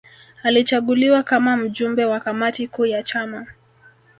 Alichaguliwa kama mjumbe wa kamati kuu ya chama